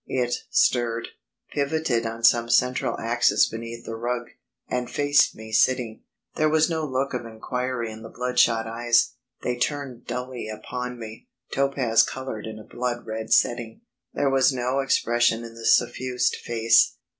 It stirred, pivoted on some central axis beneath the rug, and faced me sitting. There was no look of inquiry in the bloodshot eyes they turned dully upon me, topaz coloured in a blood red setting. There was no expression in the suffused face.